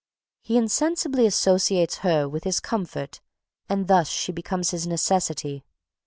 He insensibly associates her with his comfort and thus she becomes his necessity.